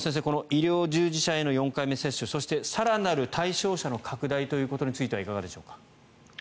医療従事者への４回目接種そして更なる対象者の拡大ということについてはいかがでしょうか。